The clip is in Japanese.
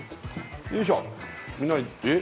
よいしょ見ないえっ？